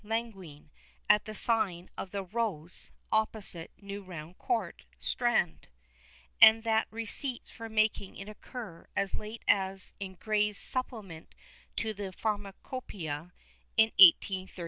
Langwine, at the sign of the "Rose," opposite New Round Court, Strand; and that receipts for making it occur as late as in Gray's Supplement to the Pharmacopœia, in 1836.